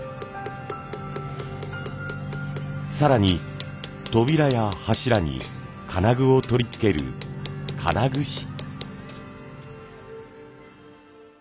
更に扉や柱に金具を取り付ける金具師。